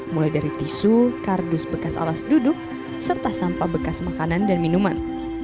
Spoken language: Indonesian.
mulai dari tisu kardus bekas alas duduk serta sampah bekas makanan dan minuman